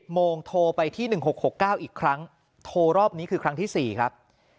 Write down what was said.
โมงโทรไปที่๑๖๖๙อีกครั้งโทรรอบนี้คือครั้งที่๔ครับ